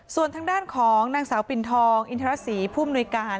ส่วนทางด้านของนางสาวปิ่นทองอินทรศรีผู้มนุยการ